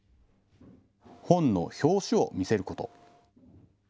本の表紙を見せること。